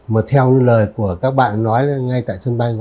mà theo lời của các bạn nói ngay tại sân bay